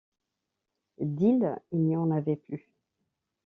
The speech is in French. D’île, il n’y en avait plus!